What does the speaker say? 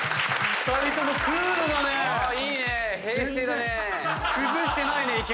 いいね。